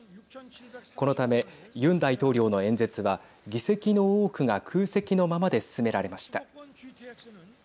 このためユン大統領の演説は議席の多くが空席のままで進められました。